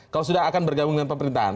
kalau sudah akan bergabung dengan pemerintahan